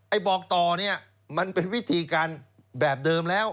บอกต่อเนี่ยมันเป็นวิธีการแบบเดิมแล้ว